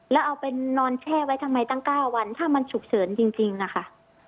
แล้วเอาไปนอนแช่ไว้ทำไมตั้ง๙วันถ้ามันฉุกเฉินจริงนะคะ